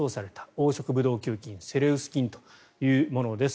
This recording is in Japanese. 黄色ブドウ球菌セレウス菌というものです。